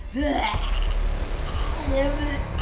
แหม่